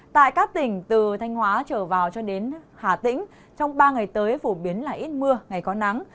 tại các tỉnh từ thanh hóa trở vào cho đến hà tĩnh trong ba ngày tới phổ biến là ít mưa ngày có nắng